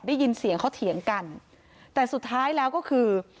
ได้ยินเสียงเขาเถียงกันแต่สุดท้ายแล้วก็คือ